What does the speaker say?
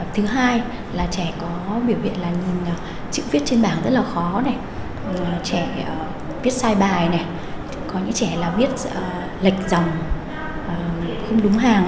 thứ hai là trẻ có biểu hiện là nhìn chữ viết trên bảng rất là khó này trẻ viết sai bài này có những trẻ là biết lệch dòng không đúng hàng